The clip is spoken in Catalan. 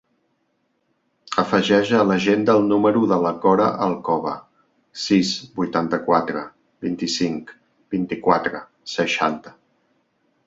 Afegeix a l'agenda el número de la Cora Alcoba: sis, vuitanta-quatre, vint-i-cinc, vint-i-quatre, seixanta.